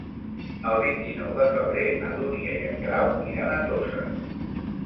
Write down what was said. El vint-i-nou de febrer na Dúnia i en Grau iran a Toses.